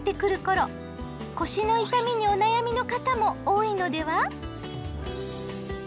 腰の痛みにお悩みの方も多いのでは？